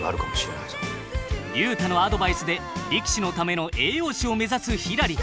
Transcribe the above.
竜太のアドバイスで力士のための栄養士を目指すひらり。